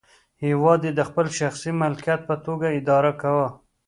هېواد یې د خپل شخصي ملکیت په توګه اداره کاوه.